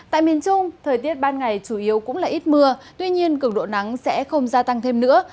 tại miền trung thời tiết ban ngày chủ yếu cũng là ít mưa tuy nhiên cường độ nắng sẽ không gia tăng thêm nữa